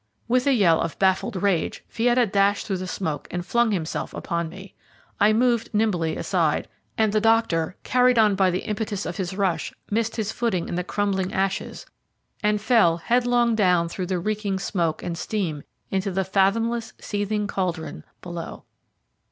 With a yell of baffled rage Fietta dashed through the smoke and flung himself upon me. I moved nimbly aside, and the doctor, carried on by the impetus of his rush, missed his footing in the crumbling ashes and fell headlong down through the reeking smoke and steam into the fathomless, seething caldron below.